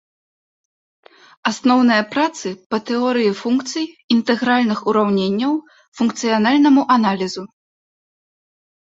Асноўныя працы па тэорыі функцый, інтэгральных ураўненнях, функцыянальнаму аналізу.